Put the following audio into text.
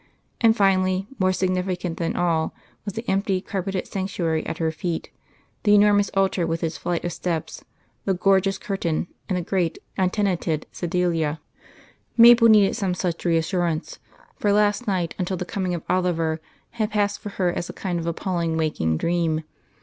And finally, more significant than all, was the empty carpeted sanctuary at her feet, the enormous altar with its flight of steps, the gorgeous curtain and the great untenanted sedilia. Mabel needed some such reassurance, for last night, until the coming of Oliver, had passed for her as a kind of appalling waking dream.